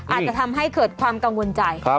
อาจจะทำให้เกิดความกังวลใจ